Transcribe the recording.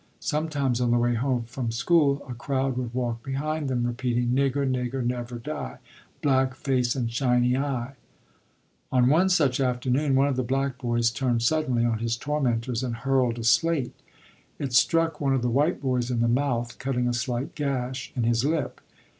Sometimes on the way home from school a crowd would walk behind them repeating: "Nigger, nigger, never die, Black face and shiny eye." On one such afternoon one of the black boys turned suddenly on his tormentors and hurled a slate; it struck one of the white boys in the mouth, cutting a slight gash in his lip.